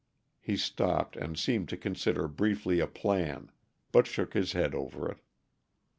He stopped, and seemed to consider briefly a plan, but shook his head over it.